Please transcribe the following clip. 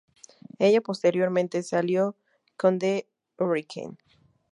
Ella posteriormente se alió con The Hurricane.